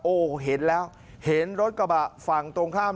โอ้โหเห็นแล้วเห็นรถกระบะฝั่งตรงข้าม